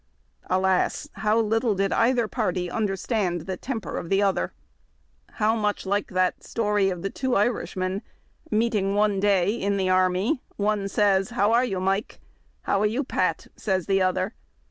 Alas I how little did either party understand the temper of the other ! How much like that story of the two Irishmen. — Meeting one day in the army, one says, " How are you, Mike ?"" How are you, Pat?" says the other.